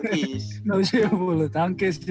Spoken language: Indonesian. kebetulan memang hasan kali